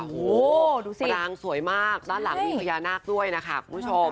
โอ้โหดูสิปรางสวยมากด้านหลังมีพญานาคด้วยนะคะคุณผู้ชม